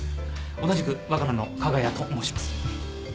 同じくワカランの加賀谷と申します。